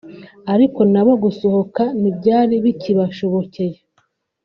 ariko nabo gusohoka ntibyari bikibashobokeye